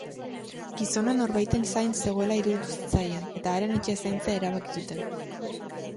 Gizona norbaiten zain zegoela iruditu zitzaien, eta haren etxea zaintzea erabaki zuten.